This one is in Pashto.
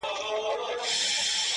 دغه سُر خالقه دغه تال کي کړې بدل”